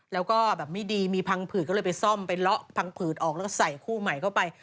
แล้วก็แบบไม่ดีมีพังผืดก็เลยไปซ่อมไปเลาะพังผืดออกแล้วก็ใส่คู่ใหม่เข้าไป